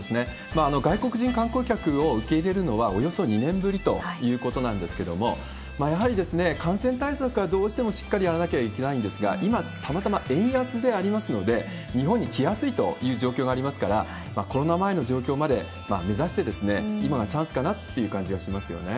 外国人観光客を受け入れるのは、およそ２年ぶりということなんですけれども、やはり、感染対策はどうしてもしっかりやらなきゃいけないんですが、今、たまたま円安でありますので、日本に来やすいという状況がありますから、コロナ前の状況まで目指して、今がチャンスかなっていう感じがしますよね。